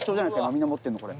みんな持ってるのこれ。